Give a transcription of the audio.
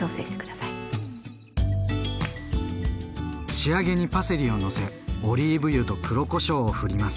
仕上げにパセリをのせオリーブ油と黒こしょうをふります。